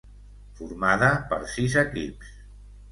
Formada per sis equips: